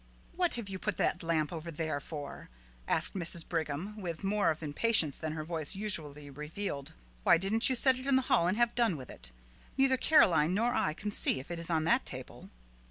"What have you put that lamp over there for?" asked Mrs. Brigham, with more of impatience than her voice usually revealed. "Why didn't you set it in the hall, and have done with it? Neither Caroline nor I can see if it is on that table."